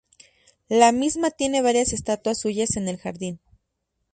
La misma tiene varias estatuas suyas en el jardín.